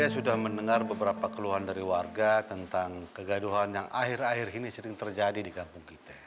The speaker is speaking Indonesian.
saya sudah mendengar beberapa keluhan dari warga tentang kegaduhan yang akhir akhir ini sering terjadi di kampung kita